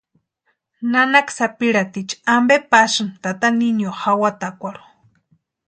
¿Nanaka sapirhaticha ampe pasïni tata niño jawatakwarhu?